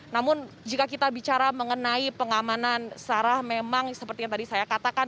namun jika kita bicara mengenai pengamanan sarah memang seperti yang tadi saya katakan